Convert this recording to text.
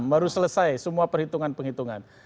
baru selesai semua perhitungan penghitungan